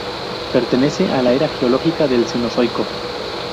Pertenece a la era geológica del Cenozoico.